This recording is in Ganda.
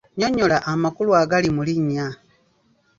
Nnyonnyola amakulu agali mu linnya.